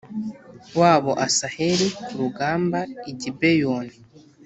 wabo asaheli ku rugamba i gibeyoni